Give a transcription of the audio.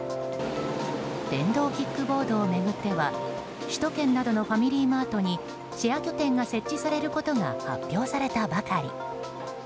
電動キックボードを巡っては首都圏などのファミリーマートにシェア拠点が設置されることが発表されたばかり。